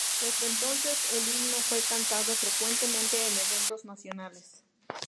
Desde entonces el himno fue cantado frecuentemente en eventos nacionales.